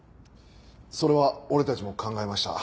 それは俺たちも考えました。